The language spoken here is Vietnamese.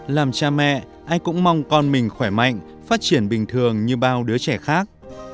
làm cha mẹ ai cũng mong con mình khỏe mạnh phát triển bình thường như bao đứa trẻ khác